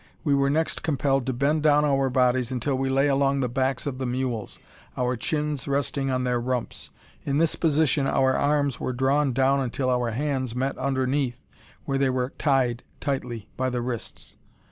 We were next compelled to bend down our bodies until we lay along the backs of the mules, our chins resting on their rumps. In this position our arms were drawn down until our hands met underneath, where they were tied tightly by the wrists.